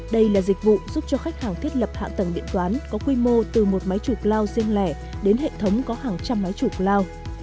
đây là dịch vụ giúp cho khách hàng thiết lập hạ tầng điện toán có quy mô từ một máy chủ cloud riêng lẻ đến hệ thống có hàng trăm máy chủ cloud